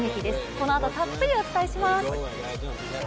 このあとたっぷりお伝えします。